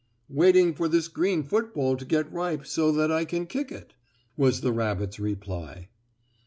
"Waiting for this green football to get ripe so that I can kick it," was the rabbit's reply.